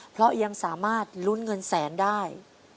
เพราะยังสามารถลุ้นเงินแสนได้